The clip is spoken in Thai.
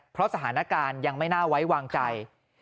เพราะสถานการณ์ยังไม่น่าไว้วางใจ